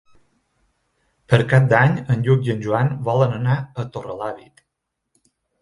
Per Cap d'Any en Lluc i en Joan volen anar a Torrelavit.